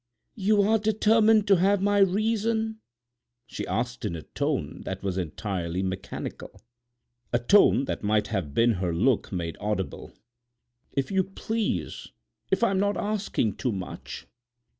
"You are determined to have my reason?" she asked in a tone that was entirely mechanical—a tone that might have been her look made audible. "If you please—if I'm not asking too much."